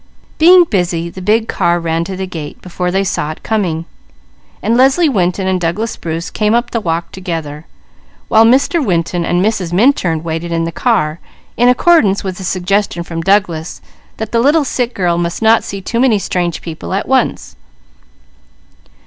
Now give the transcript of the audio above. Being busy, the big car ran to the gate before they saw it coming. Leslie Winton and Douglas Bruce came up the walk together, while Mr. Winton and Mrs. Minturn waited in the car, in accordance with a suggestion from Douglas that the little sick girl must not see too many strange people at once.